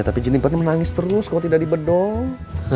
tapi jennipadnya menangis terus kalau tidak dibedong